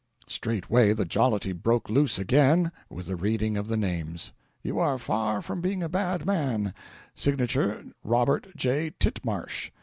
Straightway the jollity broke loose again with the reading of the names. "'You are far from being a bad man ' Signature, 'Robert J. Titmarsh.'"